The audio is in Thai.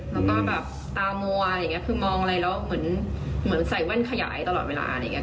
แล้วก็ตามัวคือมองอะไรแล้วเหมือนใส่แว่นขยายตลอดเวลา